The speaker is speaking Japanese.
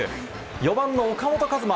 ４番の岡本和真。